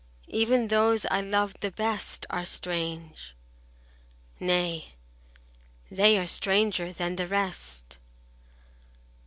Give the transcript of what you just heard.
Even those I loved the best Are strange—nay, they are stranger than the rest.